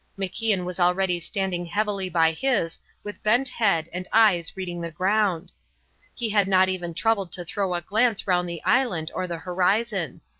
MacIan was already standing heavily by his with bent head and eyes reading the ground. He had not even troubled to throw a glance round the island or the horizon.